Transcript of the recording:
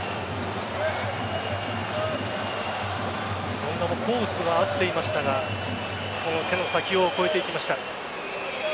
権田もコースは合っていましたがその手の先を越えていきました。